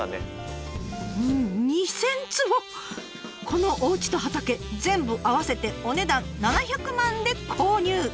このおうちと畑全部合わせてお値段７００万で購入！